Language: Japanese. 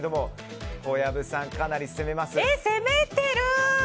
小籔さん、かなり攻めます。